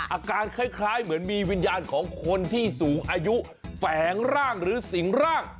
อาการคล้ายเหมือนมีวิญญาณของคนที่สูงอายุแฝงร่างหรือสิงร่าง